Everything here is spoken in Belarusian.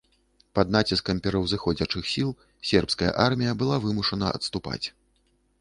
Пад націскам пераўзыходзячых сіл сербская армія была вымушана адступаць.